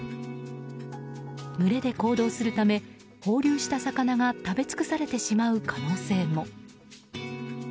群れで行動するため放流した魚が食べ尽くされてしまう可能性も。